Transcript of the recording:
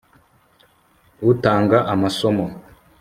utanga amasomo